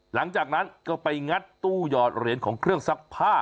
หลังจากนั้นก็ไปงัดตู้หยอดเหรียญของเครื่องซักผ้า